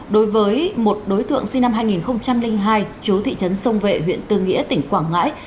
đối với một đối tượng sinh năm hai nghìn hai chú thị trấn sông vệ huyện tư nghĩa tỉnh quảng ngãi